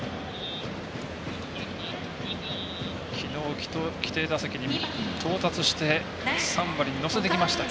きのう規定打席に到達して３割に乗せてきました。